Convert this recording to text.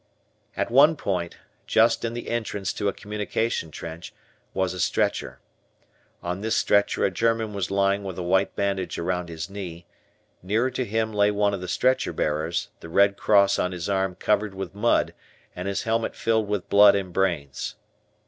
At one point, just in the entrance to a communication trench, was a stretcher. On this stretcher a German was lying with a white bandage around his knee, near to him lay one of the stretcher bearers, the red cross on his arm covered with mud and his helmet filled with blood and brains.